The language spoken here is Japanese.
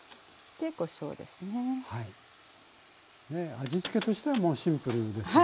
味付けとしてはもうシンプルですね。